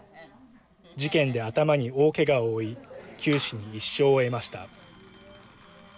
事件で頭に大けがを負い九死に一生を得ました。